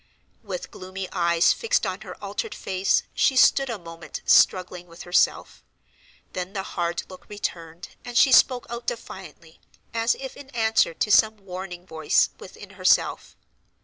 With gloomy eyes fixed on her altered face she stood a moment struggling with herself. Then the hard look returned, and she spoke out defiantly, as if in answer to some warning voice within herself.